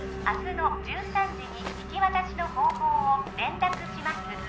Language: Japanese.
明日の１３時に引き渡しの方法を連絡します